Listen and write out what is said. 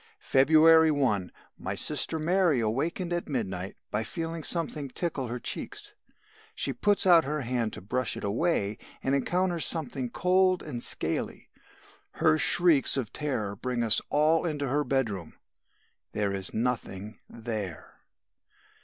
"February 1. My sister Mary awakened at midnight by feeling something tickle her cheeks. She puts out her hand to brush it away and encounters something cold and scaly. Her shrieks of terror bring us all into her bedroom there is nothing there.